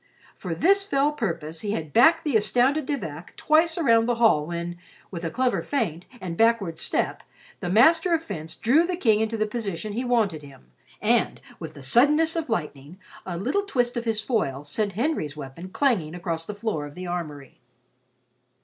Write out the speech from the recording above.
For this fell purpose he had backed the astounded De Vac twice around the hall when, with a clever feint, and backward step, the master of fence drew the King into the position he wanted him, and with the suddenness of lightning, a little twist of his foil sent Henry's weapon clanging across the floor of the armory.